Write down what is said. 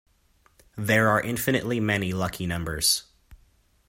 There are infinitely many lucky numbers.